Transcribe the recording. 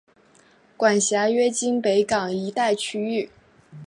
管辖约今北港一带区域。